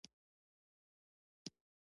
د هرمرز تنګی منځني ختیځ په اقتصاد کې ستر رول لري